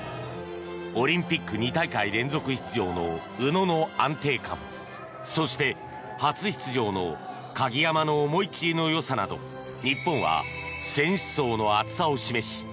オリンピック２大会連続出場の宇野の安定感そして、初出場の鍵山の思い切りのよさなど日本は選手層の厚さを示し